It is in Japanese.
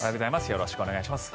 よろしくお願いします。